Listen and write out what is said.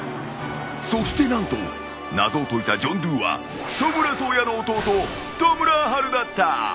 そして何と謎を解いたジョンドゥーはトムラ颯也の弟トムラハルだった。